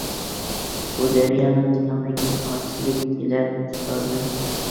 بۇ دەريانىڭ كەڭلىكى قانچىلىك كېلەر، ئۇستازىم؟